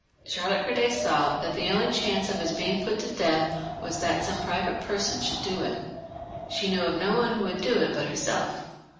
Charlotte Corday saw that the only chance of his being put to death was that some private person should do it She knew of no one who would do it but herself.